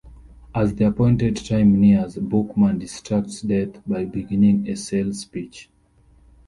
As the appointed time nears, Bookman distracts Death by beginning a sales pitch.